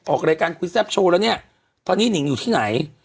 ออกรายการคุยแซ่บโชว์แล้วเนี่ยตอนนี้หนิงอยู่ที่ไหน